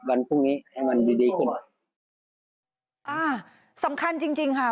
อ่าสำคัญจริงค่ะ